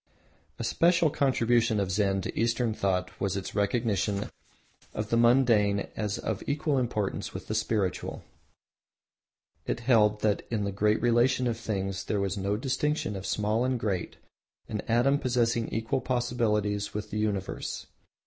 A special contribution of Zen to Eastern thought was its recognition of the mundane as of equal importance with the spiritual. It held that in the great relation of things there was no distinction of small and great, an atom possessing equal possibilities with the universe.